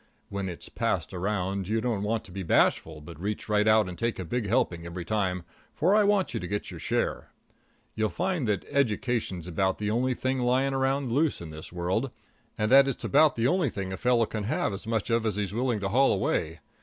When it's passed around you don't want to be bashful, but reach right out and take a big helping every time, for I want you to get your share. You'll find that education's about the only thing lying around loose in this world, and that it's about the only thing a fellow can have as much of as he's willing to haul away.